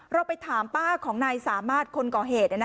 เราไปถามป้าของนายสามารถคนก่อเหตุ